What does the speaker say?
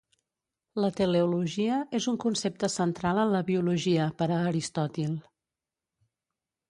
La teleologia és un concepte central en la biologia per a Aristòtil.